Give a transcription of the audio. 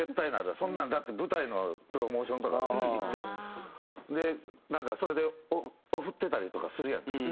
そんなのだって舞台のプロモーションとか行ってなんかそれでオフってたりとかするやんか。